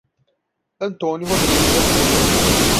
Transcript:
Antônio Rodrigues da Silva